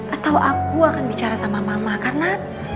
atau aku akan bicara sama mama karena